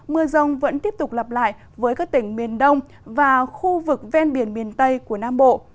mưa rông vẫn tiếp tục lặp lại với các tỉnh miền đông và khu vực ven biển miền tây của nam bộ